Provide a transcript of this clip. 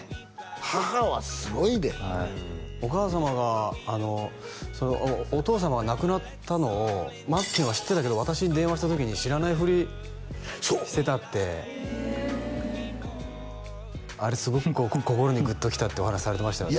母はすごいでお母様がお父様が亡くなったのをまっけんは知ってたけど私に電話した時に知らないふりしてたってそうあれすごく心にグッときたってお話しされてましたよね